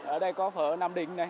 ở đây có phở nam đính